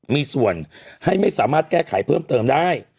มีส่วนให้ไม่สามารถแก้ไขเพิ่มเติมได้